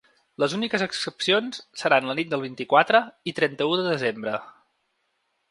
Les úniques excepcions seran la nit del vint-i-quatre i trenta-u de desembre.